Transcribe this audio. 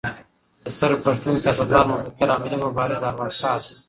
د ستر پښتون، سیاستوال، مفکر او ملي مبارز ارواښاد